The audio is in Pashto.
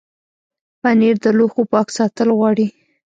پنېر د لوښو پاک ساتل غواړي.